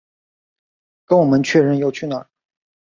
跟我们确认要去哪